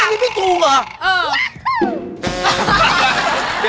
ยังไม่รู้ดี